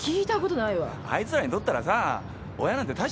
あいつらにとったらさ親なんて大して代わりないって。